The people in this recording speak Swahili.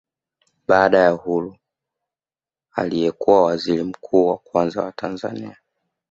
Baada ya uhuru aliyekuwa waziri mkuu wa kwanza wa Tanzania